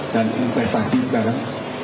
dan investasi sekarang